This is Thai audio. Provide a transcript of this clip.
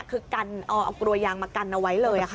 คือกลัวยางมากันเอาไว้เลยค่ะ